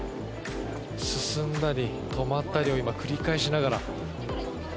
進んだり止まったりを今、繰り返しながら。